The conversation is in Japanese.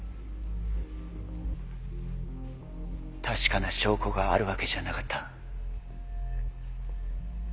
確かな証拠があるわけじゃなかった。